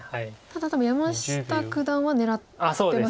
ただ多分山下九段は狙ってますよね。